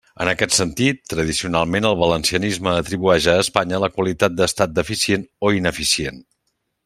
En aquest sentit, tradicionalment el valencianisme atribueix a Espanya la qualitat d'estat deficient o ineficient.